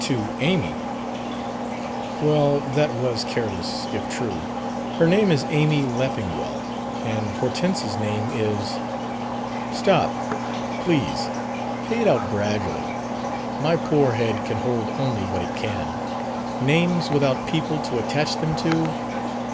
"To 'Amy'." "Well, that was careless, if true. Her name is Amy Leffingwell; and Hortense's name is " "Stop, please. Pay it out gradually. My poor head can hold only what it can. Names without people to attach them to...."